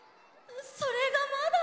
それがまだ。